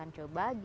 ini sudah jadi